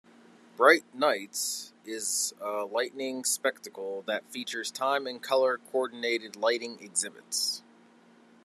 Bright Nights is a lighting spectacle that features time and color coordinated lighting exhibits.